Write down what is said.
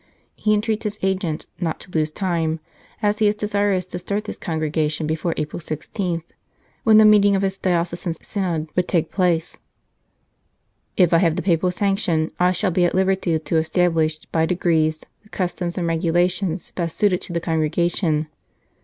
He entreats his agent not to lose time, as he is desirous to start this congregation before April 16, when the meeting of his diocesan synod would take place. " If I have the Papal sanction, I shall be at liberty to establish by degrees the customs and regulations best suited to the congregation."